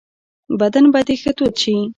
بدن به دي ښه تود شي .